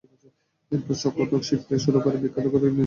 এরপর কত্থক শিখতে শুরু করেন বিখ্যাত কত্থক নৃত্যশিল্পী সাজু আহমেদের কাছে।